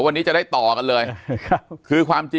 ปากกับภาคภูมิ